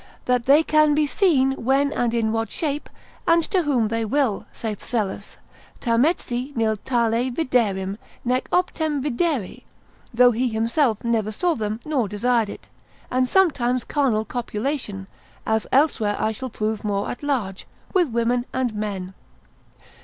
That they can be seen when and in what shape, and to whom they will, saith Psellus, Tametsi nil tale viderim, nec optem videre, though he himself never saw them nor desired it; and use sometimes carnal copulation (as elsewhere I shall prove more at large) with women and men.